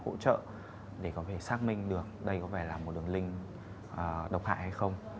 hỗ trợ để có thể xác minh được đây có vẻ là một đường link độc hại hay không